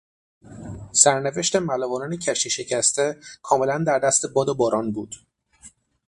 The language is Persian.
سرنوشت ملوانان کشتی شکسته کاملا در دست باد و باران بود.